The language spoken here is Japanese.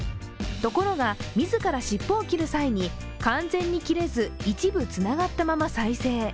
ところが、自ら尻尾を切る際に完全に切れず、一部つながったまま再生。